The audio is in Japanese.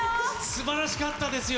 素晴らしかったですよ